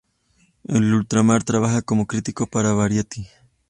En ultramar trabaja como crítico para Variety.